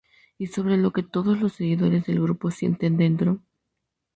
Y sobre lo que todos los seguidores del grupo sienten dentro.